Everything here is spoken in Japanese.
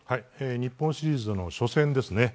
日本シリーズの初戦ですね。